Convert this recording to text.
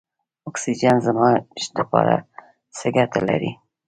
اکسیجن زموږ لپاره څه ګټه لري.